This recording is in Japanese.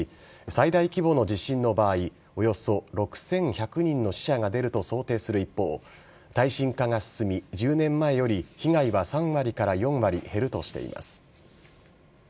最大規模の地震の場合およそ６１００人の死者が出ると想定する一方耐震化が進み、１０年前より被害は３割から４割減るとしています。